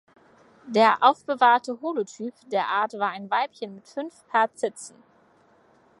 Der aufbewahrte Holotyp der Art war ein Weibchen mit fünf Paar Zitzen.